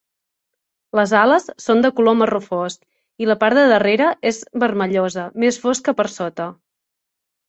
Les ales són de color marró fosc i la part de darrera és vermellosa, més fosca per sota.